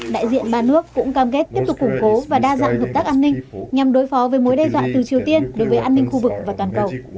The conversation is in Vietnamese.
đại diện ba nước cũng cam kết tiếp tục củng cố và đa dạng hợp tác an ninh nhằm đối phó với mối đe dọa từ triều tiên đối với an ninh khu vực và toàn cầu